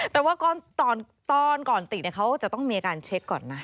แต่ว่าตอนก่อนติดเขาจะต้องมีอาการเช็คก่อนนะ